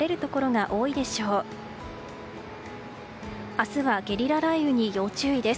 明日はゲリラ雷雨に要注意です。